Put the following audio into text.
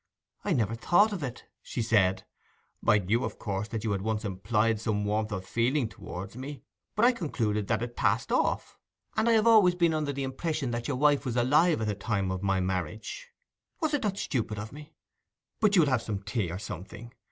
'I never thought of it!' she said. 'I knew, of course, that you had once implied some warmth of feeling towards me, but I concluded that it passed off. And I have always been under the impression that your wife was alive at the time of my marriage. Was it not stupid of me!—But you will have some tea or something?